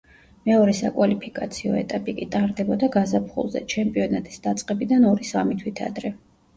მეორე საკვალიფიკაციო ეტაპი კი ტარდებოდა გაზაფხულზე, ჩემპიონატის დაწყებიდან ორი-სამი თვით ადრე.